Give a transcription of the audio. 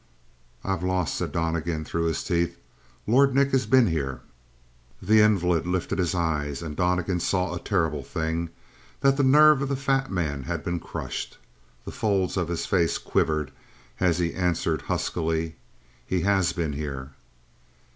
"I've lost," said Donnegan through his teeth. "Lord Nick has been here?" The invalid lifted his eyes, and Donnegan saw a terrible thing that the nerve of the fat man had been crushed. The folds of his face quivered as he answered huskily: "He has been here!"